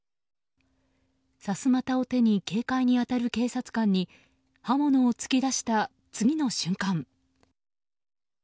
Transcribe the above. さすまたを手に警戒に当たる警察官に刃物を突き出した次の瞬間。